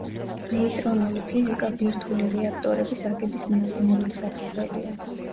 ნეიტრონული ფიზიკა ბირთვული რეაქტორების აგების მეცნიერული საფუძველია.